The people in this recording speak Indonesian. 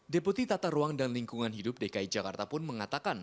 deputi tata ruang dan lingkungan hidup dki jakarta pun mengatakan